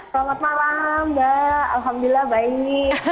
selamat malam mbak alhamdulillah baik